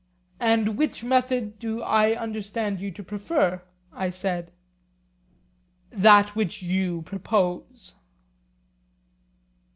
And which method do I understand you to prefer? I said. That which you propose.